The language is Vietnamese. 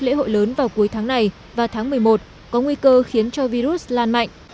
lễ hội lớn vào cuối tháng này và tháng một mươi một có nguy cơ khiến cho virus lan mạnh